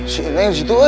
si ineng si tu eh